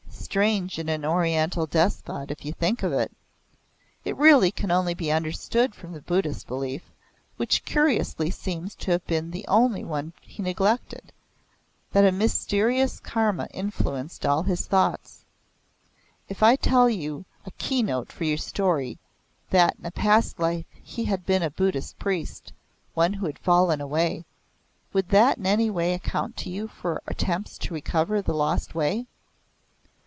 Strange in an Oriental despot if you think of it! It really can only be understood from the Buddhist belief, which curiously seems to have been the only one he neglected, that a mysterious Karma influenced all his thoughts. If I tell you as a key note for your story, that in a past life he had been a Buddhist priest one who had fallen away, would that in any way account to you for attempts to recover the lost way?